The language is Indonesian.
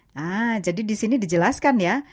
nah jadi di sini dijelaskan ya